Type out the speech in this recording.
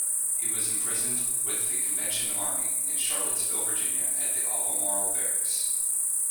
He was imprisoned with the Convention Army in Charlottesville, Virginia at the Albemarle Barracks.